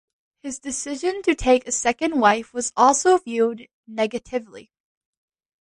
His decision to take a second wife was also viewed negatively.